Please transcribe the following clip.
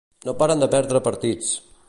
No paren de perdre partits.